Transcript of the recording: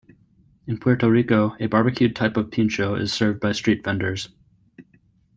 In Puerto Rico, a barbecued type of pincho is served by street vendors.